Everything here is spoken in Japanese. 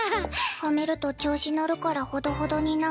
褒めると調子乗るからほどほどにな。